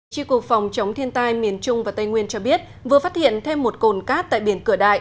chi cục phòng chống thiên tai miền trung và tây nguyên cho biết vừa phát hiện thêm một cồn cát tại biển cửa đại